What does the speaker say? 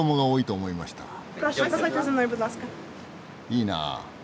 いいなあ。